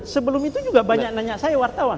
sebelum itu juga banyak nanya saya wartawan